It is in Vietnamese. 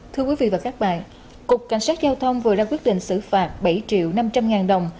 thưa quý vị và các bạn cục cảnh sát giao thông vừa ra quyết định xử phạt bảy triệu năm trăm linh ngàn đồng